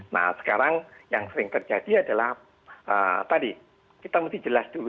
nah sekarang yang sering terjadi adalah tadi kita mesti jelas dulu